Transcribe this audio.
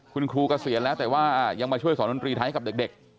คุณครูเกษียณแล้วแต่ว่ายังมาช่วยสอนดนตรีไทยให้กับเด็ก